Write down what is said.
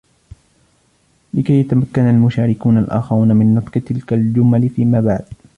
لكي يتمكن المشاركون الاخرون من نطق تلك الجمل فيما بعد.